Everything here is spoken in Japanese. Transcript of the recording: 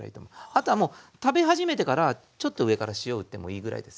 あとはもう食べ始めてからちょっと上から塩を打ってもいいぐらいですよ。